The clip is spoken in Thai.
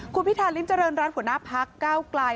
คุณพิทาลิ้มเจริญรัฐผู้นาภักดิ์ก้าวไกล